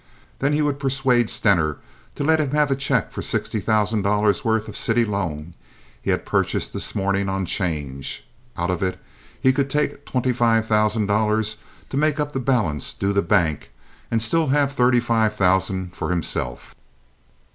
Then he would persuade Stener to let him have a check for the sixty thousand dollars' worth of city loan he had purchased this morning on 'change. Out of it he could take twenty five thousand dollars to make up the balance due the bank, and still have thirty five thousand for himself.